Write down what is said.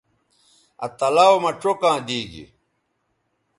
آ تلاؤ مہ چوکاں دی گی